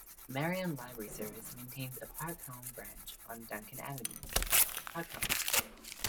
Marion Library Service maintains a Park Holme branch on Duncan Avenue, Park Holme.